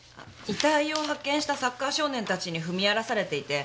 遺体を発見したサッカー少年たちに踏み荒らされていて。